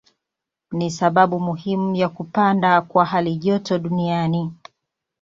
Ni sababu muhimu ya kupanda kwa halijoto duniani.